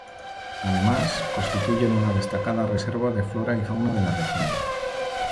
Además, constituyen una destacada reserva de flora y fauna de la región.